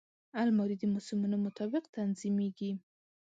الماري د موسمونو مطابق تنظیمېږي